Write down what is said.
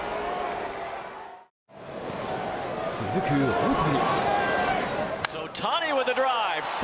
続く大谷。